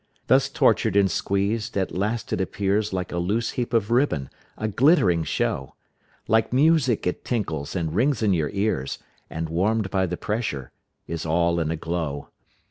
Thus tortured and squeezed, at last it appears Like a loose heap of ribbon, a glittering show, Like music it tinkles and rings in your ears, And warm'd by the pressure is all in a glow.